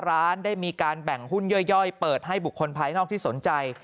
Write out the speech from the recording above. ร้านได้มีการแบ่งหุ้นย่อยเปิดให้บุคคลภายนอกที่สนใจ